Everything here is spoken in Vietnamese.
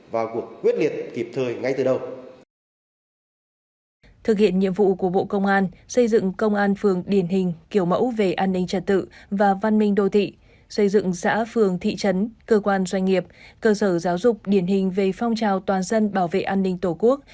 xác định đây là nhiệm vụ trọng tâm chỉ đạo sầu sát việc xây dựng xã phường thị trấn cơ quan doanh nghiệp cơ sở giáo dục điển hình về phong trào toàn dân bảo vệ an ninh tổ quốc